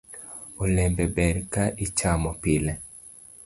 Olembe ber ka ichamo pile